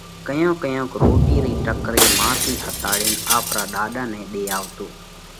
ڪيونڪ ڪيونڪ روٽِي رئِي ٽڪرئِي مان ٿِي ۿتاڙينَ آپرا ڏاڏا نئہ ۮي آوَتو۔